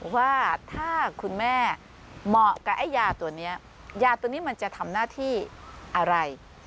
ว่าถ้าคุณแม่เหมาะกับไอ้ยาตัวนี้ยาตัวนี้มันจะทำหน้าที่อะไร